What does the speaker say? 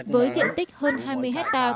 với diện tích hơn hai mươi hectare